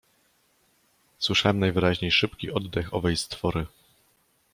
Słyszałem najwyraźniej szybki oddech owej stwory.